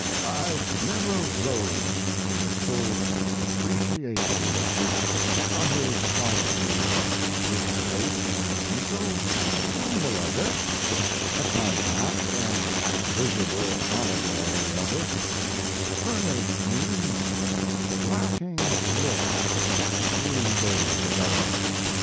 I never rose to the full appreciation of the utter solitude of this place until a symbol of it a compact and visible allegory of it furnished me the lacking lift three days ago.